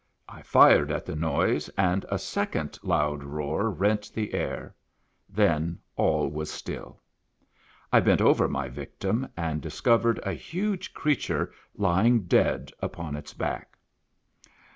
I fired at the noise, and a sec ond loud roar rent the air. Then all was still. I bent over my victim, and discovered a huge creature lying dead upon its back.